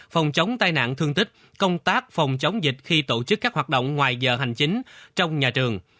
phòng chống tai nạn thương tích công tác phòng chống dịch khi tổ chức các hoạt động ngoài giờ hành chính trong nhà trường